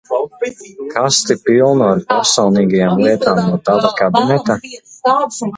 Kasti pilnu ar personīgajām lietām no tava kabineta?